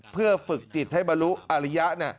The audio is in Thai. เพื่อฝึกจิตให้บรรลุอาริยะ